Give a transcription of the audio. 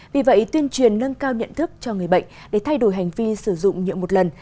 vì vậy tuyên truyền nâng cao nhận thức cho người bệnh để thay đổi hành vi sử dụng nhựa một lần